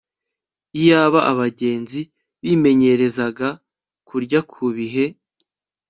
Iyaba abagenzi bimenyerezaga kurya ku bihe